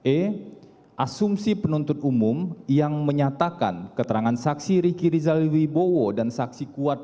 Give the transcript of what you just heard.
e asumsi penuntut umum yang menyatakan keterangan saksi ricky rizal wibowo dan saksi kuat